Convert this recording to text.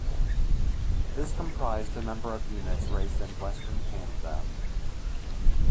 This comprised a number of units raised in western Canada.